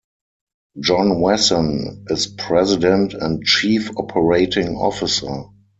John Wasson is president and chief operating officer.